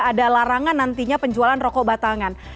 ada larangan nantinya penjualan rokok batangan